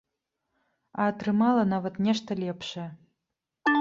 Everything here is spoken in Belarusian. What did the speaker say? А атрымала нават нешта лепшае.